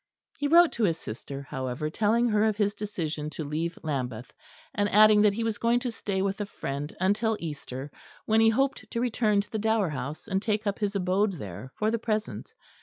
He wrote to his sister, however, telling her of his decision to leave Lambeth; and adding that he was going to stay with a friend until Easter, when he hoped to return to the Dower House, and take up his abode there for the present.